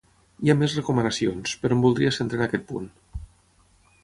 Hi ha més recomanacions, però em voldria centrar en aquest punt.